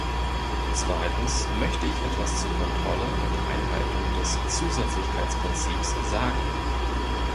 Zweitens möchte ich etwas zur Kontrolle und Einhaltung des Zusätzlichkeitsprinzips sagen.